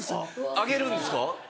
あげるんですか？